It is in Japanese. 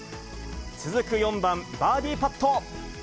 続く４番、バーディーパット。